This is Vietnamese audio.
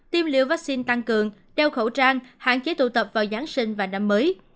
tiêm liều vaccine tăng cường đeo khẩu trang hạn chế tụ tập vào giáng sinh và năm mới